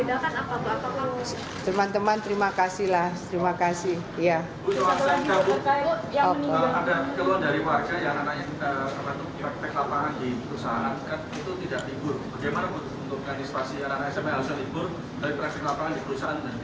bagaimana untuk administrasi anak anak yang harusnya libur dari pek lapangan di perusahaan dan tidak libur